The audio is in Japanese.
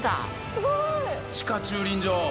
すごい！地下駐輪場！